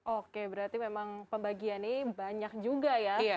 oke berarti memang pembagiannya banyak juga ya